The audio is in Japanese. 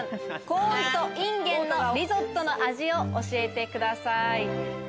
コーンといんげんのリゾットの味を教えてください。